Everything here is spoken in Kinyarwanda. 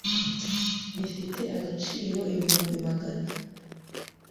bifite agaciro ibihumbi magana